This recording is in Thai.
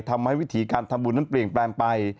วิถีการทำบุญนั้นเปลี่ยนแปลงไป